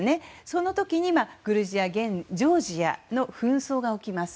その時にグルジア現ジョージアの紛争が起きます。